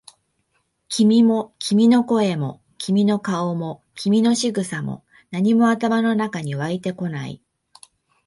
君も、君の声も、君の顔も、君の仕草も、何も頭の中に湧いてこない。